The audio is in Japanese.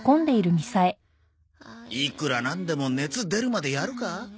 いくらなんでも熱出るまでやるか？